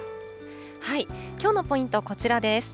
きょうのポイント、こちらです。